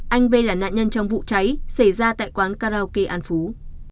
anh v là nạn nhân trong vụ cháy xảy ra tại quán karaoke an phú